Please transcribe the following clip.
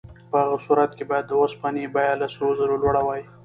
په هغه صورت کې باید د اوسپنې بیه له سرو زرو لوړه وای.